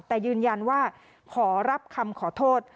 แต่ยืนยันว่าขอรับคำขอโทษ